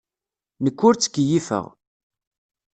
Nekk ur ttkeyyifeɣ.